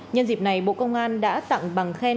nhân dịp này bộ công an đã tặng bằng khen